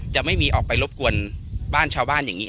จะไม่มีออกไปรบกวนบ้านชาวบ้านอย่างนี้